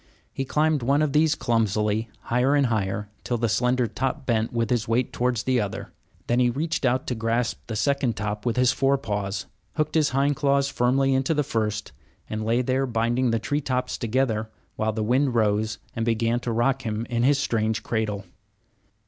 He climbed one of these clumsily, higher and higher, till the slender top bent with his weight towards the other. Then he reached out to grasp the second top with his fore paws, hooked his hind claws firmly into the first, and lay there binding the tree tops together, while the wind rose and began to rock him in his strange cradle.